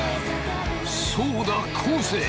そうだ昴生！